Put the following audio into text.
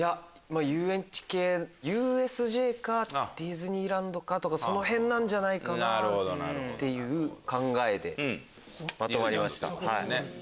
遊園地系ＵＳＪかディズニーランドかその辺なんじゃないかなっていう考えでまとまりました。